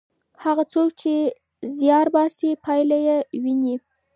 هغه څوک چې زیار باسي پایله یې ویني.